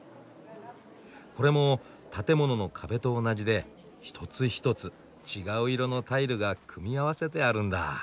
これも建物の壁と同じで一つ一つ違う色のタイルが組み合わせてあるんだ。